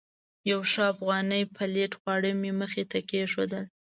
یو ښه افغاني پلیټ خواړه مې مخې ته کېښودل.